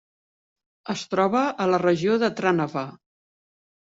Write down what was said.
Es troba a la regió de Trnava.